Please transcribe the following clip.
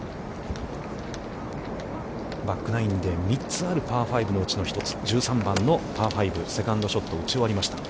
バックナインで、３つあるパー５のうちの１つ、１３番のパー５、セカンドショットを打ち終わりました。